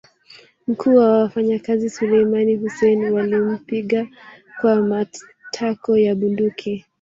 Mkuu wa wafanyikazi Suleiman Hussein walimpiga kwa matako ya bunduki